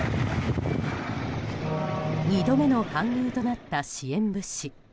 ２度目の搬入となった支援物資。